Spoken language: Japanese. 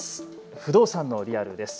不動産のリアルです。